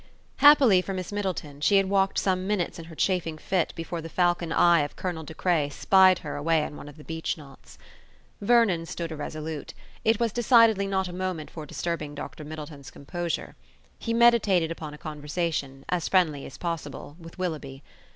Happily for Miss Middleton, she had walked some minutes in her chafing fit before the falcon eye of Colonel De Craye spied her away on one of the beech knots. Vernon stood irresolute. It was decidedly not a moment for disturbing Dr. Middleton's composure. He meditated upon a conversation, as friendly as possible, with Willoughby.